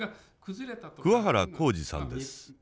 桑原浩治さんです。